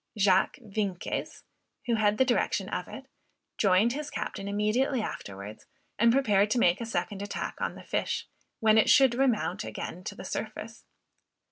Jacques Vienkes, who had the direction of it, joined his captain immediately afterwards, and prepared to make a second attack on the fish, when it should remount again to the surface.